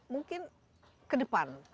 mungkin ke depan